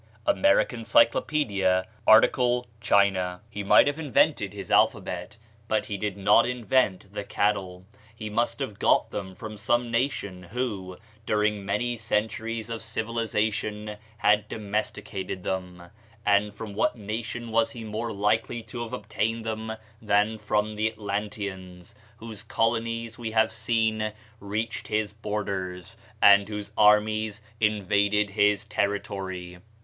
("American Cyclopædia," art. China.) He might have invented his alphabet, but he did not invent the cattle; he must have got them from some nation who, during many centuries of civilization, had domesticated them; and from what nation was he more likely to have obtained them than from the Atlanteans, whose colonies we have seen reached his borders, and whose armies invaded his territory!